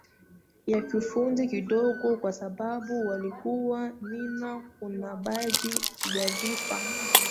ya kiufundi kidogo kwa sababu walikuwa nina kuna baadhi ya vifaa